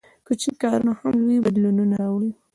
• کوچني کارونه هم لوی بدلونونه راوړي.